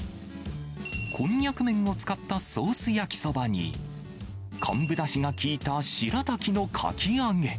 こんにゃく麺を使ったソース焼きそばに、昆布だしが効いたしらたきのかき揚げ。